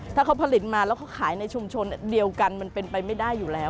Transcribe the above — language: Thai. ถ้าเขาผลิตมาแล้วเขาขายในชุมชนเดียวกันมันเป็นไปไม่ได้อยู่แล้ว